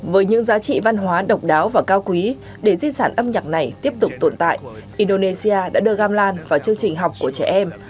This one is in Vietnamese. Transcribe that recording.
với những giá trị văn hóa độc đáo và cao quý để di sản âm nhạc này tiếp tục tồn tại indonesia đã đưa gamlan vào chương trình học của trẻ em